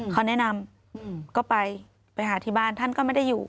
เขาแนะนำก็ไปไปหาที่บ้านท่านก็ไม่ได้อยู่